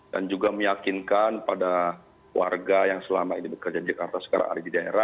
dan juga meyakinkan pada warga yang selama ini bekerja di jakarta sekarang